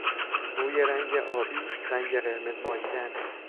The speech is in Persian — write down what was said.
روی رنگ آبی رنگ قرمز مالیدن